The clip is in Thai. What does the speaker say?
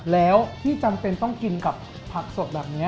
แล้วที่จำเป็นต้องกินกับผักสดแบบนี้